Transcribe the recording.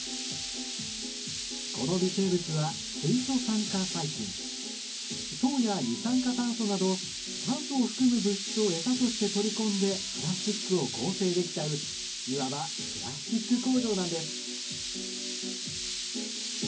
この微生物は糖や二酸化炭素など炭素を含む物質を餌として取り込んでプラスチックを合成できちゃういわばプラスチック工場なんです。